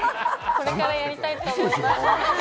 これからやりたいと思います。